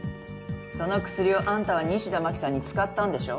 その薬をあんたは西田真紀さんに使ったんでしょ。